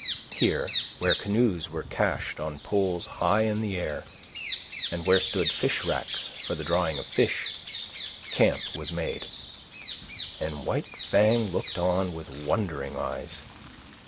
Here, where canoes were cached on poles high in the air and where stood fish racks for the drying of fish, camp was made; and White Fang looked on with wondering eyes.